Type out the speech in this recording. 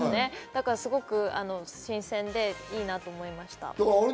だから、すごく新鮮でいいなと思いました。